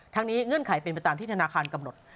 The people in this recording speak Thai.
ทั้งนี้เงื่อนไขเป็นไปตามที่ธนาคารกำหนด